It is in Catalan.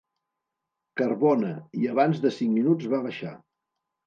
Carbona, i abans de cinc minuts va baixar.